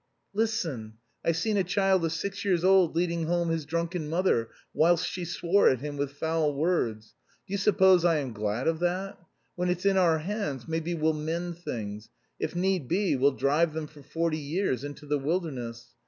"Listen. I've seen a child of six years old leading home his drunken mother, whilst she swore at him with foul words. Do you suppose I am glad of that? When it's in our hands, maybe we'll mend things... if need be, we'll drive them for forty years into the wilderness....